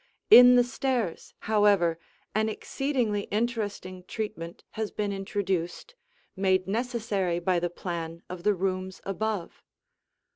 In the stairs, however, an exceedingly interesting treatment has been introduced, made necessary by the plan of the rooms above.